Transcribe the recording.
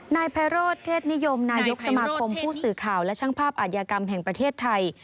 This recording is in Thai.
นายไพโรธเทศนิยมนายกสมาคมผู้สื่อข่าวและช่างภาพอาชญากรรมแห่งประเทศไทย